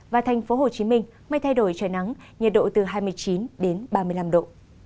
và thành phố hồ chí minh mây thay đổi trời nắng nhiệt độ từ hai mươi chín đến ba mươi năm độ